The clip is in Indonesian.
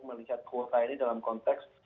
melihat kuota ini dalam konteks